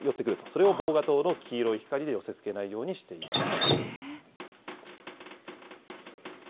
それが防が灯の黄色い光で寄せつけないようにしています。